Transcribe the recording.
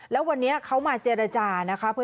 และวันนี้เขาที่วันนี้เจรจา